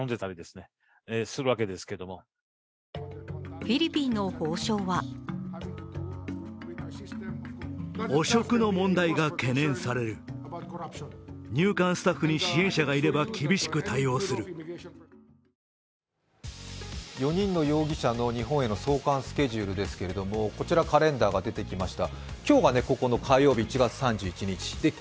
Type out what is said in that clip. フィリピンの法相は４人の容疑者への日本への送還スケジュールですけれどもカレンダーが出てきました。